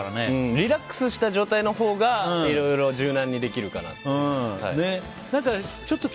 リラックスした状態のほうがいろいろ柔軟にできるかなと。